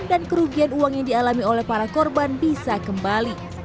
dan kerugian uang yang dialami oleh para korban bisa kembali